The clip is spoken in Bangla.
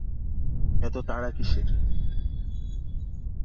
এত তাড়া কিসের।